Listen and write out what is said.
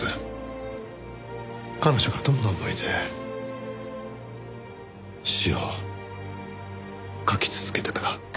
彼女がどんな思いで詩を書き続けていたか。